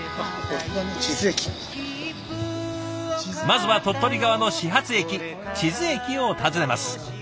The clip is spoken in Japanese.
まずは鳥取側の始発駅智頭駅を訪ねます。